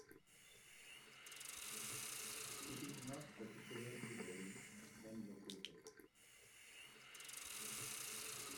It is not particularly wary when located.